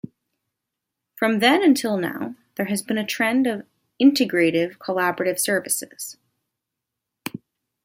From then until now, there has been a trend of integrative collaborative services.